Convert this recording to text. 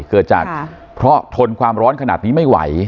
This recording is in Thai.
เกิดจากเพราะทนความร้อนขนาดนี้ไม่ไหว